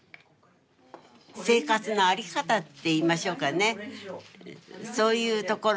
生活の在り方っていいましょうかねそういうところに一番惹かれますよね